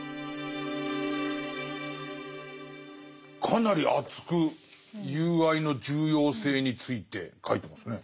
かなり熱く友愛の重要性について書いてますね。